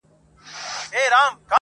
دومره ناهیلې ده چي ټول مزل ته رنگ ورکوي,